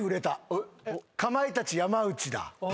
かまいたち山内だ。